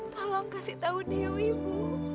tolong kasih tahu dewi ibu